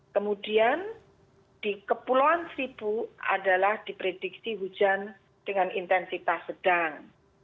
kemudian di kepulauan seribu adalah diprediksi hujan dengan intensitas sedang